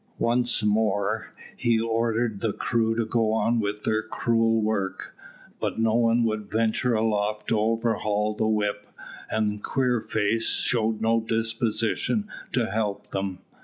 Once more he ordered the crew to go on with their cruel work, but no one would venture aloft to overhaul the whip, and Queerface showed no disposition to help them.